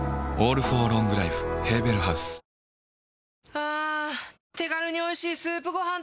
あ手軽に美味しいスープごはん